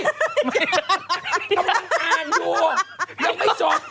ตามอานดูแล้วไม่ชอบ